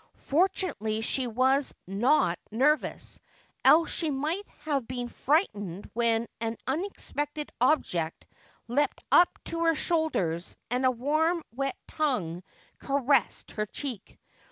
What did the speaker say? Fortunately she was not nervous, else she might have been frightened when an unexpected object leapt up to her shoulders and a warm wet tongue caressed her cheek.